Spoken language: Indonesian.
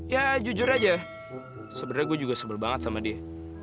ya jujur aja sebenarnya gue juga sebel banget sama dia